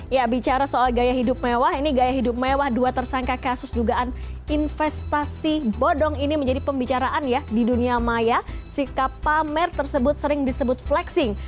ya bicara soal gaya hidup mewah ini gaya hidup mewah dua tersangka kasus dugaan investasi bodong ini menjadi pembicaraan ya di dunia maya sikap pamer tersebut sering disebut flexing